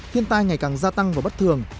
thiên tai ngày càng gia tăng và bất thường